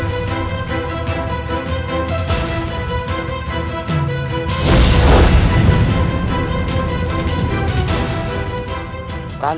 kau akan percaya pada jangan lakukan